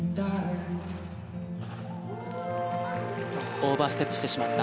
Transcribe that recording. オーバーステップしてしまった。